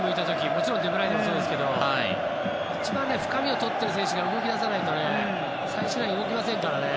もちろんデブライネもそうですが一番、深みを取っている選手が動き出さないと最終ライン動けませんからね。